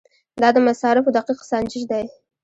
دا د مصارفو دقیق سنجش دی.